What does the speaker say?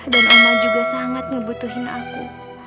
dan oma juga sangat ngebutuhin aku